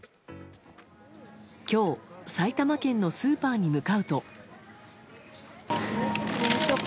今日、埼玉県のスーパーに向かうと。